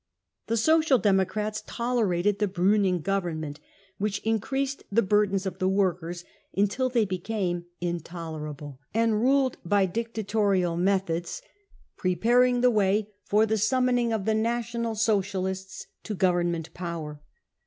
The Social ^Democrats * tolerated the Pruning government, which increased the burdens of the workers until they became intolerable, and ruled by dictatorial methods, preparing the way for the summoning of the National Socialists to Government power.